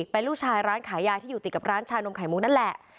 เป็นลูกชายร้านขายยาที่อยู่ติดกับร้านชานมไข่มุกนั่นแหละ